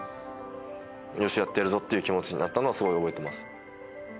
よしやってやるぞっていう気持ちになったのはすごい覚えてます。